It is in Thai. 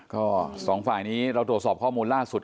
ก็สองฝ่ายนี้เราตรวจสอบข้อมูลล่าสุด